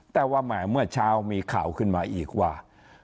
แต่ว่าแหมเมื่อเช้ามีข่าวขึ้นมาอีกว่า